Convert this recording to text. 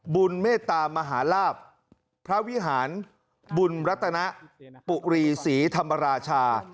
เมตามหาลาบพระวิหารบุญรัตนปุรีศรีธรรมราชา